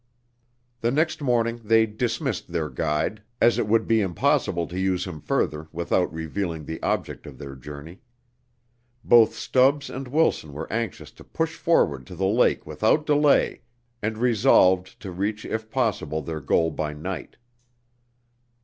The next morning they dismissed their guide, as it would be impossible to use him further without revealing the object of their journey. Both Stubbs and Wilson were anxious to push forward to the lake without delay and resolved to reach if possible their goal by night.